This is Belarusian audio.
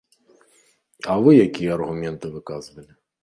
А вы якія аргументы выказвалі?